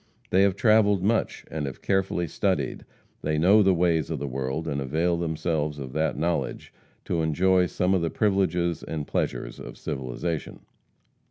They have travelled much, and have carefully studied; they know the ways of the world, and avail themselves of that knowledge to enjoy some of the privileges and pleasures of civilization.